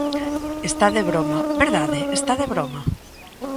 Está de broma, ¿verdade?, está de broma.